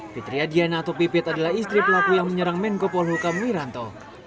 fitriya diana atau pipit adalah istri pelaku yang menyerang menko polhukamwiranto